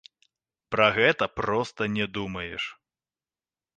Пра гэта проста не думаеш.